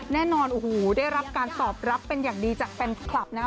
แน่นอนโอ้โหได้รับการตอบรับเป็นอย่างดีจากแฟนคลับนะครับ